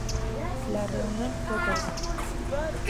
La reunión fue corta.